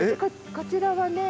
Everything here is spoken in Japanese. こちらはね